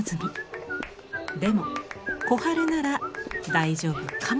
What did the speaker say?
でも小春なら大丈夫かも？